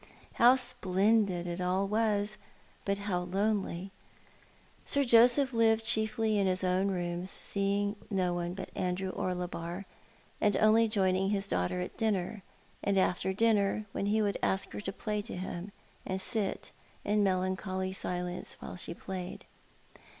How splendid it all was; but how lonely! Sir Joseph lived chiefly in his (smx rooms, seeing no one but Andrew Orlebar, and only joining his daughter at dinner, and after dinner, when he would ask her to play to him, and sit in melancholy silence while she played.